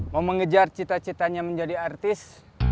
mau mengejar cita citanya menjadi artis